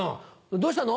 どうしたの？